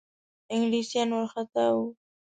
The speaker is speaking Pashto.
انګلیسیان وارخطا وه.